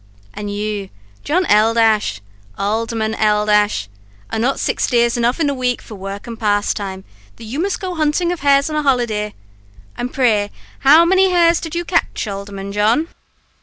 And you, John L , Alderman L , are not six days enough in the week for work and pastime, that you must go hunting of hares on a holiday? And pray how many hares did you catch, Alderman John?'"